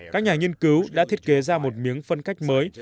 các nhà nghiên cứu đã thiết kế ra một miếng phân cách mới